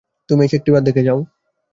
তুমি এসে একটিবার দেখে যাও।